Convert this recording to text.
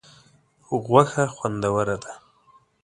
غوښه خوندوره ده.